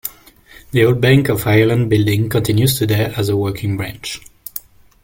The old Bank of Ireland building continues today as a working branch.